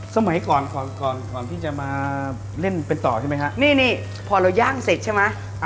สมัยก่อนก่อนก่อนที่จะมาเล่นเป็นต่อใช่ไหมฮะนี่นี่พอเราย่างเสร็จใช่ไหม